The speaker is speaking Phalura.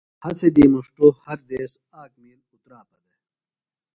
ہسی دی مُݜٹوۡ ہر دیس آک مِیل اُتراپہ دےۡ۔